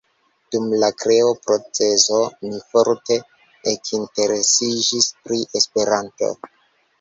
Dum la kreo-procezo mi forte ekinteresiĝis pri Esperanto.